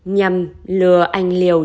nhằm lừa anh liều